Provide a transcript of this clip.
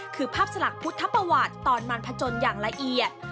คือภาพสลักพุทธภาวะตอนมารพจนอย่างละเอียด